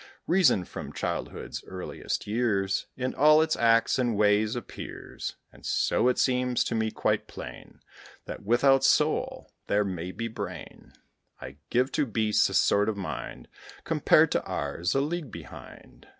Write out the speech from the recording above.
Reason, from childhood's earliest years, In all its acts and ways appears; And so it seems to me quite plain That without soul there may be brain. I give to beasts a sort of mind, Compared to ours, a league behind.